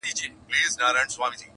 یادونه: انځور، قادر خان کښلی دی!!